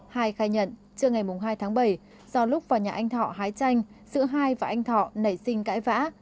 hai khai nhận trưa ngày hai tháng bảy do lúc vào nhà anh thọ hái tranh giữa hai và anh thọ nảy sinh cãi vã